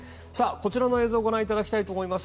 こちらの映像をご覧いただきたいと思います。